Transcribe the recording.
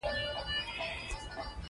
احمده! پر دې خبره کاسه کېږده.